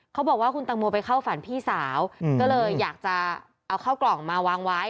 เขาบอกว่าคุณตังโมไปเข้าฝันพี่สาวก็เลยอยากจะเอาเข้ากล่องมาวางไว้